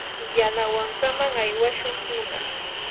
yanawankaman aywashun tunaq.